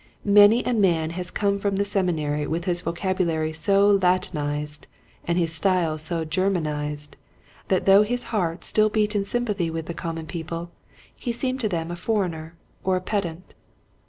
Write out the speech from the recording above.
Many a man has come from the seminary with his vocabulary so Latinized, and his style so Germanized, that though his heart still beat in sympathy with the common people he seemed to them a foreigner or pedant.